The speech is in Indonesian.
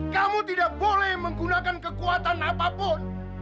kamu tidak boleh menggunakan kekuatan apapun